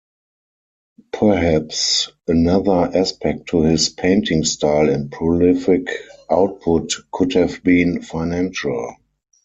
Perhaps another aspect to his painting style and prolific output could have been financial.